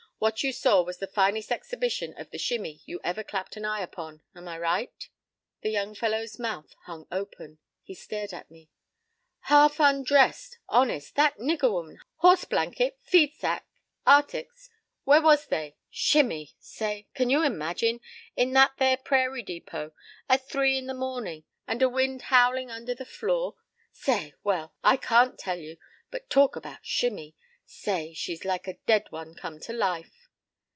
"What you saw was the finest exhibition of the 'Shimmie' you ever clapped an eye upon. Am I right?" The young fellow's mouth hung open. He stared at me. "Half undressed! Honest! That nigger woman! Horse blanket, feed sack, ar'tics—where was they? Shimmie? Say! Can you imagine, in that there prairie depot at three in the mornin', and a wind howlin' under the floor? Say! Well, I can't tell you, but talk about Shimmie! Say, she's like a dead one come to life."